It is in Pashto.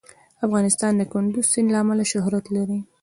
افغانستان د کندز سیند له امله شهرت لري.